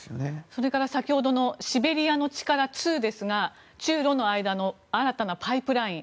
それから先ほどのシベリアの力２ですが中ロの間の新たなパイプライン。